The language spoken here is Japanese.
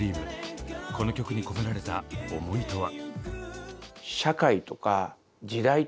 この曲に込められた思いとは？